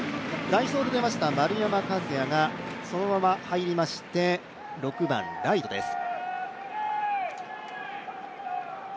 代走で出ました丸山和郁がそのまま入りまして、６番・ライトです。